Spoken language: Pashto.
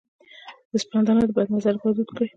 د سپند دانه د بد نظر لپاره دود کړئ